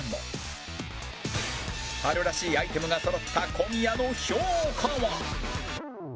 春らしいアイテムがそろった小宮の評価は？